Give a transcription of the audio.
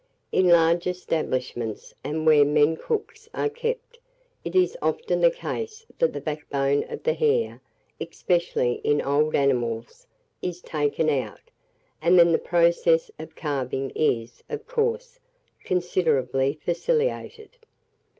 In large establishments, and where men cooks are kept, it is often the case that the backbone of the hare, especially in old animals, is taken out, and then the process of carving is, of course, considerably facilitated.